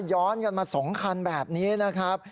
ย้อนกันมา๒คันแบบนี้นะครับ